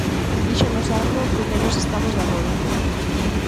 Díxonos algo co que nós estamos de acordo.